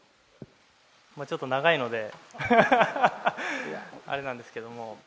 ちょっと長いので、あれなんですけれども。